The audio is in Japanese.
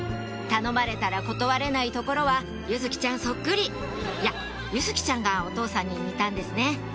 頼まれたら断れないところは柚來ちゃんそっくりいや柚來ちゃんがお父さんに似たんですね